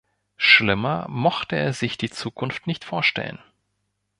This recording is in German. Schlimmer mochte er sich die Zukunft nicht vorstellen.